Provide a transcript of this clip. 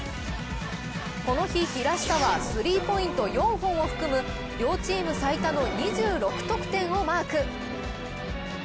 この日、平下はスリーポイント４本を含む両チーム最多の２６得点をマーク。